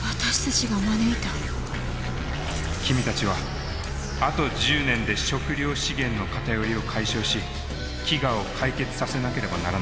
君たちはあと１０年で食料資源の偏りを解消し飢餓を解決させなければならなかった。